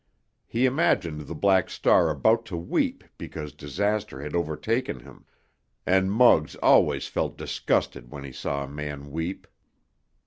He imagined the Black Star about to weep because disaster had overtaken him—and Muggs always felt disgusted when he saw a man weep.